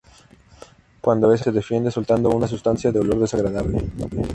Cuando es atacado se defiende soltando una sustancia de olor desagradable.